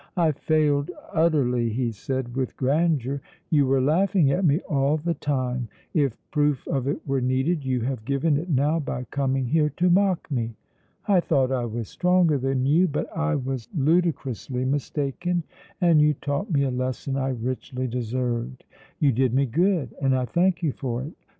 "I failed utterly," he said, with grandeur. "You were laughing at me all the time; if proof of it were needed, you have given it now by coming here to mock me. I thought I was stronger than you, but I was ludicrously mistaken, and you taught me a lesson I richly deserved; you did me good, and I thank you for it.